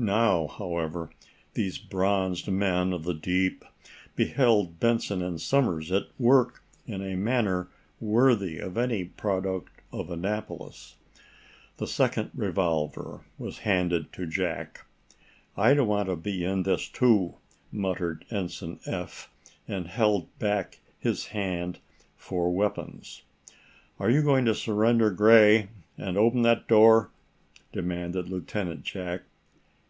Now, however, these bronzed men of the deep beheld Benson and Somers at work in a manner worthy of any product of Annapolis. The second revolver was handed to Jack. "I want to be in this, too," muttered Ensign Eph, and held back his hand for weapons. "Are you going to surrender, Gray, and open that door?" demanded Lieutenant Jack.